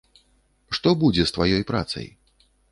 Што будзе з тваёй працай?